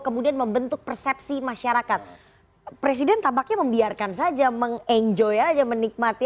kemudian membentuk persepsi masyarakat presiden tabaknya membiarkan saja mengenjoy aja menikmati